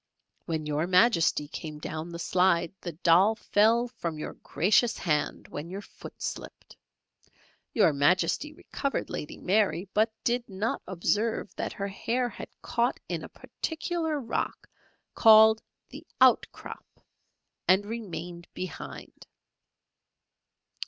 When Your Majesty came down the slide, the doll fell from your gracious hand when your foot slipped. Your Majesty recovered Lady Mary, but did not observe that her hair had caught in a peculiar rock, called the 'Outcrop,' and remained behind!